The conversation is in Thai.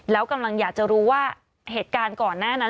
แล้วกำลังอยากจะรู้ว่าเหตุการณ์ก่อนหน้านั้น